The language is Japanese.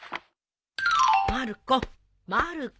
まる子まる子。